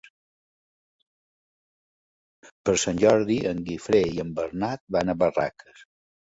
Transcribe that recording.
Per Sant Jordi en Guifré i en Bernat van a Barraques.